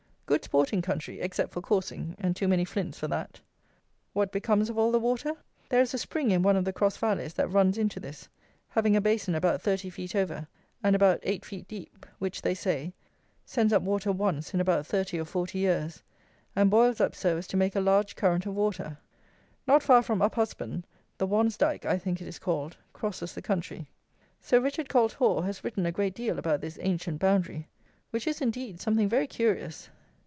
Good sporting country, except for coursing, and too many flints for that. What becomes of all the water? There is a spring in one of the cross valleys that runs into this, having a basin about thirty feet over, and about eight feet deep, which, they say, sends up water once in about 30 or 40 years; and boils up so as to make a large current of water. Not far from UPHUSBAND the Wansdike (I think it is called) crosses the country. SIR RICHARD COLT HOARE has written a great deal about this ancient boundary, which is, indeed, something very curious.